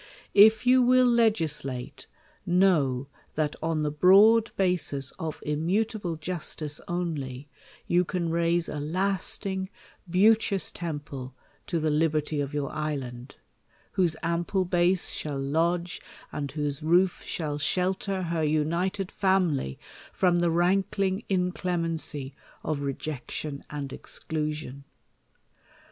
If you ^vill legislate ; know, that on the broad basis of immutable justice only, you can rane a lasting, beauteous temple to the liberty of your island ; whose ample base shall lodge, and whose roof shall shelter her united family from the rankling inclemency of rejection and exclusion.